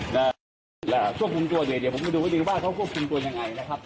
พี่หนูบรรยาจะช่วยควบคุมตัวอย่างไรนะครับ